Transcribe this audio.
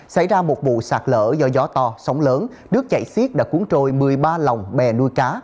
xảy ra một vụ sạt lỡ do gió to sóng lớn đứt chạy xiết đã cuốn trôi một mươi ba lòng bè nuôi cá